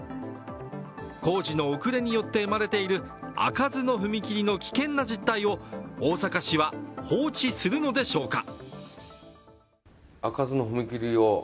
工事の遅れによって生まれている開かずの踏切の危険な実態を大阪市は放置するのでしょうか？